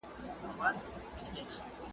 ایا واړه پلورونکي چارمغز پروسس کوي؟